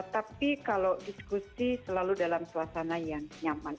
tapi kalau diskusi selalu dalam suasana yang nyaman